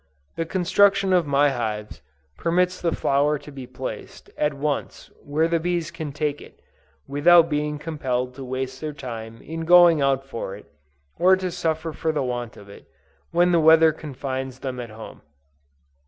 The construction of my hives, permits the flour to be placed, at once, where the bees can take it, without being compelled to waste their time in going out for it, or to suffer for the want of it, when the weather confines them at home.